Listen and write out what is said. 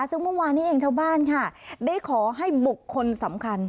ซึ่งเมื่อวานนี้เองชาวบ้านค่ะได้ขอให้บุคคลสำคัญ